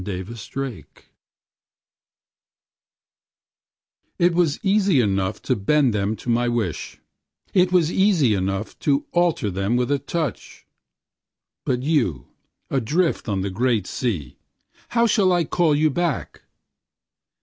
[Page 21] CIRCE It was easy enough to bend them to my wish, it was easy enough to alter them with a touch, but you adrift on the great sea, how shall I call you back?